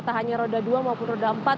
tak hanya roda dua maupun roda empat